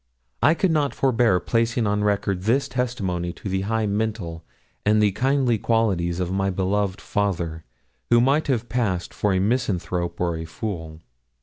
I could not forbear placing on record this testimony to the high mental and the kindly qualities of my beloved father, who might have passed for a misanthrope or a fool.